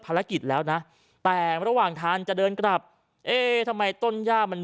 แล้วนะแต่ระหว่างทางจะเดินกลับเอ๊ทำไมต้นย่ามัน